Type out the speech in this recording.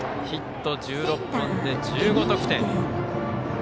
ヒット１６本で１５得点。